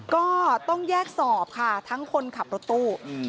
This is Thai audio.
ก็ต้องแยกสอบค่ะทั้งคนขับรถตู้